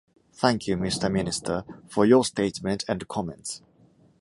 Thank you, Mr. Minister, for your statement and comments.